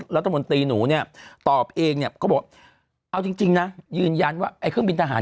รัฐมนตรีหนูเนี่ยตอบเองเนี่ยเขาบอกเอาจริงนะยืนยันว่าไอ้เครื่องบินทหาร